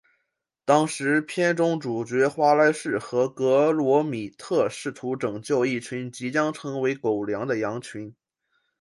当时片中主角华莱士和格罗米特试图拯救一群即将成为狗粮的羊群。